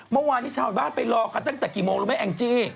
เมื่อวานนี้ชาวบ้านไปรอกันตั้งแต่กี่โมงรู้ไหมแองจี้